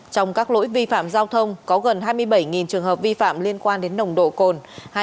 trong các lỗi vi phạm giao thông có gần hai mươi bảy trường hợp vi phạm liên quan đến nồng độ cồn